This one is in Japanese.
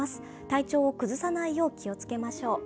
体調を崩さないよう、気をつけましょう。